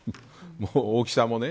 大きさもね。